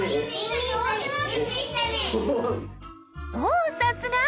おさすが！